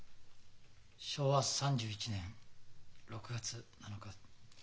昭和３１年６月７日。